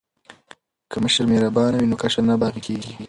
که مشر مهربان وي نو کشر نه باغی کیږي.